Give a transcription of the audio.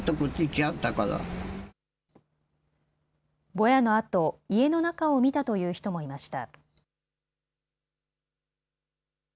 ぼやのあと、家の中を見たという人もいました。